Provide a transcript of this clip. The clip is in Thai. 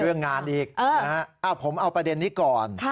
เรื่องงานอีกผมเอาประเด็นนี้ก่อน